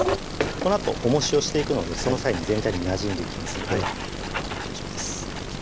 このあとおもしをしていくのでその際に全体になじんでいきますので大丈夫です